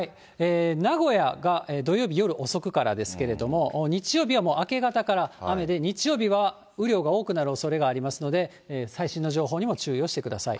名古屋が土曜日夜遅くからですけれども、日曜日はもう明け方から雨で、日曜日は雨量が多くなるおそれがありますので、最新の情報にも注意をしてください。